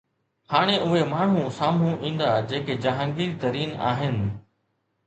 هاڻي اهي ماڻهو سامهون ايندا جيڪي جهانگير ترين آهن